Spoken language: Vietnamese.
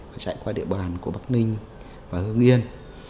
phải chạy qua địa bàn của bắc ninh và hương yên